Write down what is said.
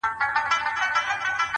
• د زمري د مشکلاتو سلاکار وو -